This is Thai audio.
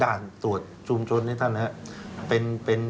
ด่านตรวจชุมชนนี่ท่านนะครับ